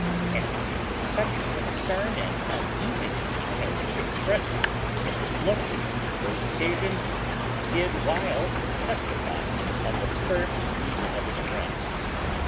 And such concern and uneasiness as he expresses in his looks on those occasions did Wild testify on the first meeting of his friend.